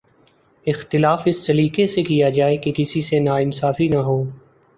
اختلاف اس سلیقے سے کیا جائے کہ کسی سے ناانصافی نہ ہو۔